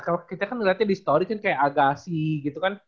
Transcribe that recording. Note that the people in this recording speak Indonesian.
kalau kita kan ngeliatnya di story kan kayak agasi gitu kan